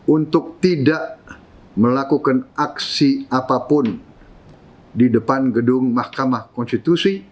untuk tidak melakukan aksi apapun di depan gedung mahkamah konstitusi